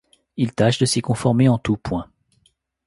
Il tâche de s’y conformer en tous points.